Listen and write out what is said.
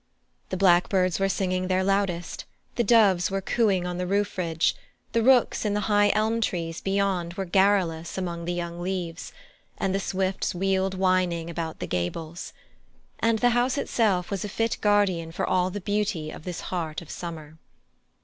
The blackbirds were singing their loudest, the doves were cooing on the roof ridge, the rooks in the high elm trees beyond were garrulous among the young leaves, and the swifts wheeled whining about the gables. And the house itself was a fit guardian for all the beauty of this heart of summer.